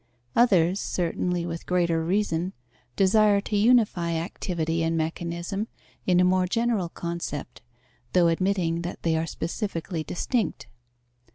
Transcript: Others, certainly with greater reason, desire to unify activity and mechanism in a more general concept, though admitting that they are specifically distinct.